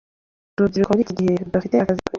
urubyiruko muri iki gihugu rudafite akazi ni rwinshi